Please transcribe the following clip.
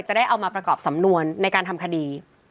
จะได้เอามาประกอบสำนวนในการทำคดี